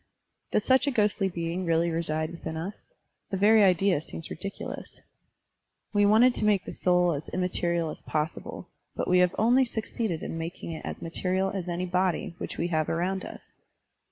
Does such a ghostly being really reside within us? The very idea seems ridiculous. We wanted to make the soul as immaterial as possible, but we have only succeeded in making it as material as any body which we have around us.